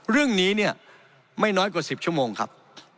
เรื่องนี้เนี่ยไม่น้อยกว่า๑๐ชั่วโมงครับ